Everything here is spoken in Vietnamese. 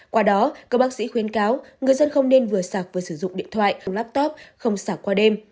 qua đó các bác sĩ khuyên cáo người dân không nên vừa sạc vừa sử dụng điện thoại laptop không xả qua đêm